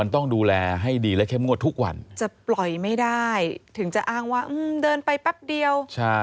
ตกใจเรียกว่าผมอยู่คว่านคนเดียว